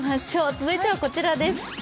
続いてはこちらです。